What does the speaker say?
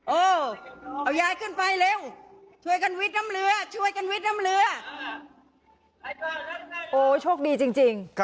โอ้ยโชคดีจริง